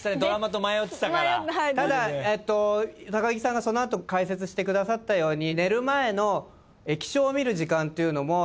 ただ木さんがその後解説してくださったように。